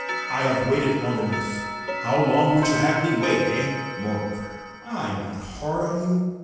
I have waited long enough. How long would you have me wait eh? Moreover, I'm not hard on you.